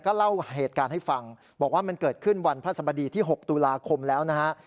เล่าเหตุการณ์ให้ฟังบอกว่ามันเกิดขึ้นวันพระสบดีที่๖ตุลาคมแล้วนะฮะ